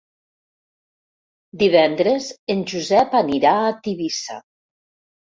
Divendres en Josep anirà a Tivissa.